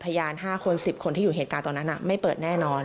๕คน๑๐คนที่อยู่เหตุการณ์ตอนนั้นไม่เปิดแน่นอน